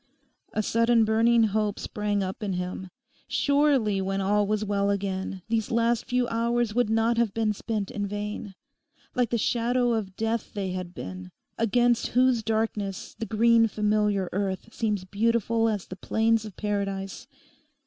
A sudden burning hope sprang up in him. Surely when all was well again, these last few hours would not have been spent in vain. Like the shadow of death they had been, against whose darkness the green familiar earth seems beautiful as the plains of paradise.